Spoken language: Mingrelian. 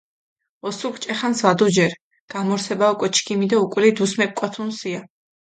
ოსურქ ჭე ხანს ვადუჯერ, გამორსება ოკო ჩქიმი დო უკული დუს მეპკვათუნსია.